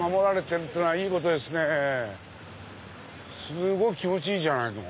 すごい気持ちいいじゃないの。